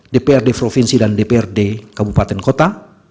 dprd provinsi dan dprd kabupaten kota